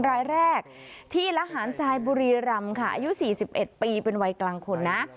รายแรกที่ระหารทรายบุรีรำค่ะอายุ๔๑ปีเป็นวัยกลางคนนะ